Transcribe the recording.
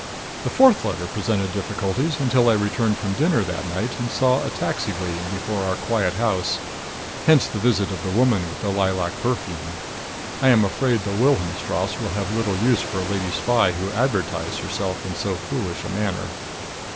The fourth letter presented difficulties until I returned from dinner that night and saw a taxi waiting before our quiet house. Hence the visit of the woman with the lilac perfume. I am afraid the Wilhelmstrasse would have little use for a lady spy who advertised herself in so foolish a manner.